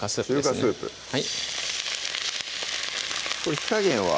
中華スープこれ火加減は？